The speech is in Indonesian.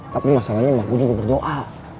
tapi masalahnya emak gue juga berdoa